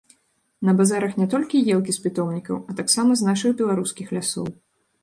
На базарах не толькі елкі з пітомнікаў, а таксама з нашых беларускіх лясоў.